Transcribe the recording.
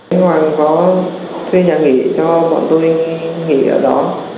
nhưng hoàng có thuê nhà nghỉ cho bọn tôi nghỉ ở đó